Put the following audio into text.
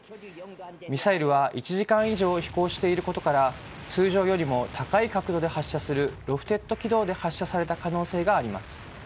ミサイルは１時間以上飛行していることから通常よりも高い角度で発射するロフテッド軌道で発射された可能性があります。